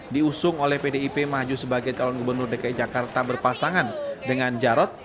diusung oleh pdip maju sebagai calon gubernur dki jakarta berpasangan dengan jarod